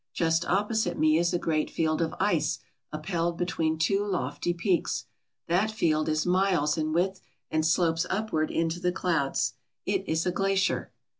Just opposite me is a great field of ice upheld between two lofty peaks. That field is miles in width and slopes upward into the clouds. It is a glacier.